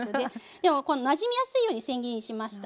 でもなじみやすいようにせん切りにしました。